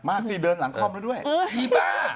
มากสิเดินหลังคล่อมแล้วด้วยพี่บ้า